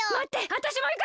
わたしもいく！